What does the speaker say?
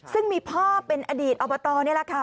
ซึ่งมีพ่อเป็นอดีตอบตนี่แหละค่ะ